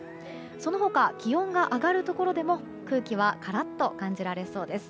その他、気温が上がるところでも空気カラッと感じられそうです。